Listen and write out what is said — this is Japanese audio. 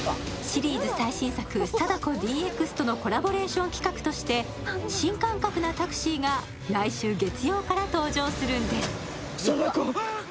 シリーズ最新作「貞子ＤＸ」とのコラボレーション企画として新感覚なタクシーが来週月曜から登場するんです。